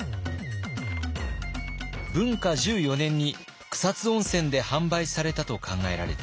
文化１４年に草津温泉で販売されたと考えられています。